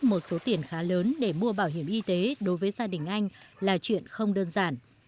một số tiền khá lớn để mua bảo hiểm y tế đối với gia đình anh là chuyện không đơn giản